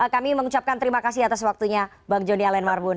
kami mengucapkan terima kasih atas waktunya bang joni allen marbun